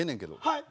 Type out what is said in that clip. はい。